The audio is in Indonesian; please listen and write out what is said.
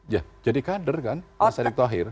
ya jadi kader kan mas erick thohir